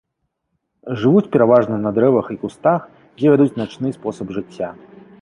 Жывуць пераважна на дрэвах і кустах, дзе вядуць начны спосаб жыцця.